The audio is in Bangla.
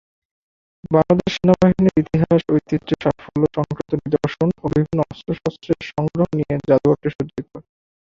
বাংলাদেশ সেনাবাহিনীর ইতিহাস, ঐতিহ্য, সাফল্য সংক্রান্ত নিদর্শন ও বিভিন্ন অস্ত্র-শস্ত্রের সংগ্রহ নিয়ে জাদুঘরটি সজ্জিত।